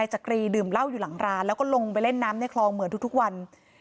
จักรีดื่มเหล้าอยู่หลังร้านแล้วก็ลงไปเล่นน้ำในคลองเหมือนทุกวัน